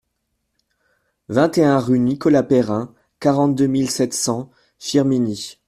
vingt et un rue Nicolas Perrin, quarante-deux mille sept cents Firminy